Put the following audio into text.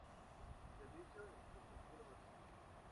Servicios e infraestructura básica.